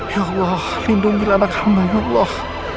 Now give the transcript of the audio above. ya allah rindu diri anak kami ya allah